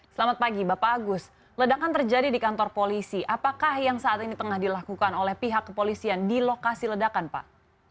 selamat pagi bapak agus ledakan terjadi di kantor polisi apakah yang saat ini tengah dilakukan oleh pihak kepolisian di lokasi ledakan pak